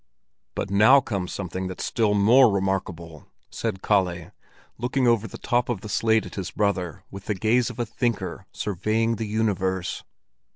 "But now comes something that's still more remarkable," said Kalle, looking over the top of the slate at his brother with the gaze of a thinker surveying the universe.